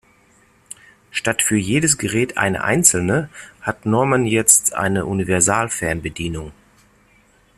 Statt für jedes Gerät eine einzelne hat Norman jetzt eine Universalfernbedienung.